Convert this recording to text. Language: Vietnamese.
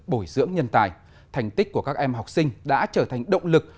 bồi dưỡng nhân tài thành tích của các em học sinh đã trở thành động lực